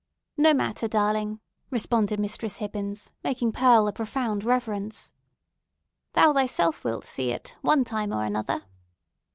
"No matter, darling!" responded Mistress Hibbins, making Pearl a profound reverence. "Thou thyself wilt see it, one time or another.